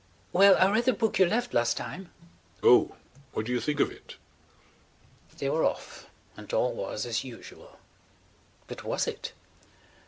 "Well, I read the book you left last time." "Oh, what do you think of it?" They were off and all was as usual. But was it?